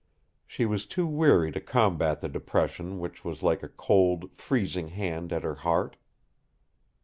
She was too weary to combat the depression which was like a cold, freezing hand at her heart.